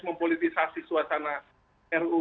mempolitisasi suasana ru